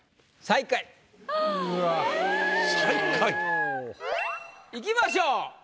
最下位。いきましょう。